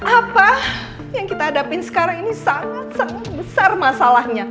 apa yang kita hadapin sekarang ini sangat sangat besar masalahnya